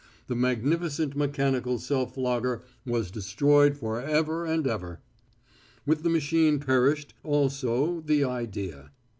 The magnificent mechanical self flogger was destroyed for ever and ever. With the machine perished also the idea.